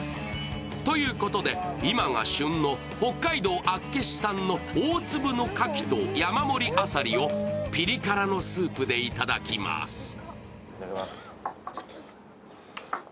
ということで今が旬の北海道厚岸産の大粒のかきと山盛りあさりをピリ辛のスープで頂きます。